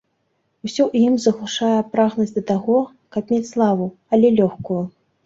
Усё ў ім заглушае прагнасць да таго, каб мець славу, але лёгкую.